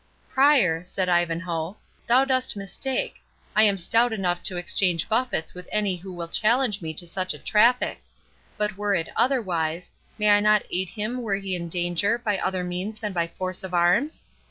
"Prior," said Ivanhoe, "thou dost mistake—I am stout enough to exchange buffets with any who will challenge me to such a traffic—But were it otherwise, may I not aid him were he in danger, by other means than by force of arms?